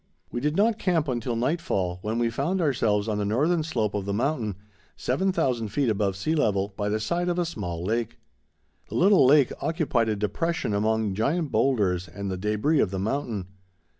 We did not camp until nightfall, when we found ourselves on the northern slope of the mountain, 7000 feet above sea level, by the side of a small lake. The little lake occupied a depression among giant boulders and the debris of the mountain.